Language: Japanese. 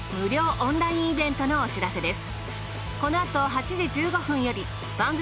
オンラインイベントのお知らせです。